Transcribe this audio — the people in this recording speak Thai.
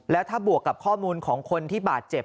แล้วถ้าบวกกับข้อมูลของคนที่บาดเจ็บ